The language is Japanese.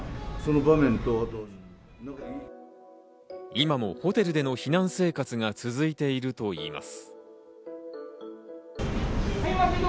今もホテルでの避難生活が続いているといいます。